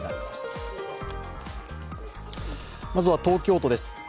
まずは東京都です。